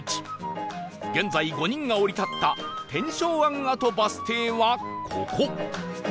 現在５人が降り立った天正庵跡バス停はここ